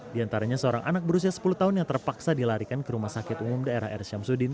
di antaranya seorang anak berusia sepuluh tahun yang terpaksa dilarikan ke rumah sakit umum daerah r syamsuddin